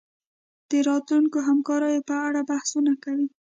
د راتلونکو همکاریو په اړه بحثونه کوي